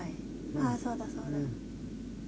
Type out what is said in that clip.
ああそうだそうだ。